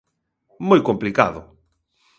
Moi complicado.